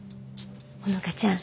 穂花ちゃん